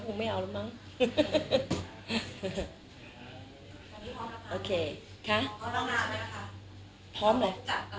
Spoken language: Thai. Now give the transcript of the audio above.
พร้อมจับอะไรอย่างนั้นพี่